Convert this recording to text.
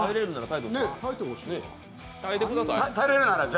耐えてください。